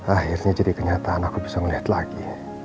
akhirnya jadi kenyataan aku bisa melihat lagi